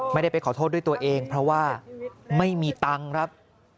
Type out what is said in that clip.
ไม่ได้ไปขอโทษด้วยตัวเองเพราะว่าไม่มีตังค์ครับ